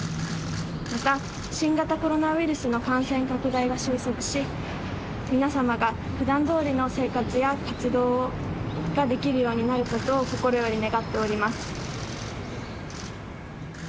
また、新型コロナウイルスの感染拡大が収束し、皆様がふだんどおりの生活や活動ができるようになることを心より願っております。